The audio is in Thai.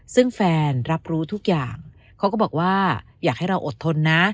ซึ่งแฟนรับรู้ทุกอย่างเขาก็บอกว่าอยากให้เราอดทนนะ